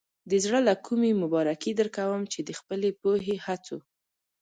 د زړۀ له کومې مبارکي درکوم چې د خپلې پوهې، هڅو.